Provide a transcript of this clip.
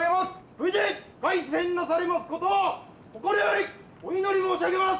無事凱旋なされますことを心よりお祈り申し上げます。